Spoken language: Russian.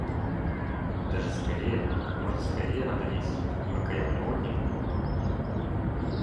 Даже скорее, как можно скорее надо действовать, пока его не отняли у ней.